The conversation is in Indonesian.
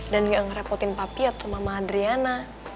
dan gak ngerepotin papi atau mama adriana